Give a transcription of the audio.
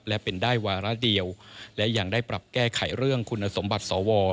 และเป็นได้วาระเดียวและยังได้ปรับแก้ไขเรื่องคุณสมบัติสว